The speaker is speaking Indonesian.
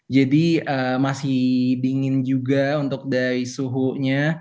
jadi masih dingin juga untuk dari suhunya